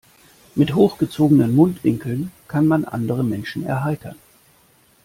Mit hochgezogenen Mundwinkeln kann man andere Menschen erheitern.